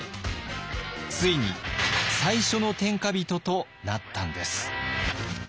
ついに最初の天下人となったんです。